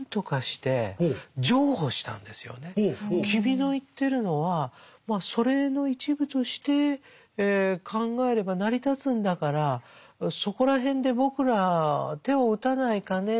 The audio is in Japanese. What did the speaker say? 君の言ってるのはまあ祖霊の一部として考えれば成り立つんだからそこら辺で僕ら手を打たないかね。